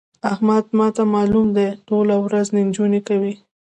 احمد ما ته مالوم دی؛ ټوله ورځ نجونې کوي.